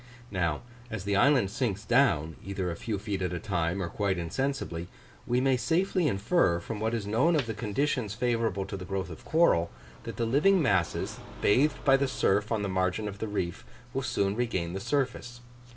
Now, as the island sinks down, either a few feet at a time or quite insensibly, we may safely infer, from what is known of the conditions favourable to the growth of coral, that the living masses, bathed by the surf on the margin of the reef, will soon regain the surface.